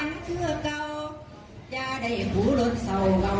โอ้โหเสียงใสมาก